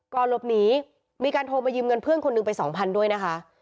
ก่อนรบหนีมีการโทรมายืมเงินเพื่อนคนหนึ่งไป๒๐๐๐ด้วยนะคะ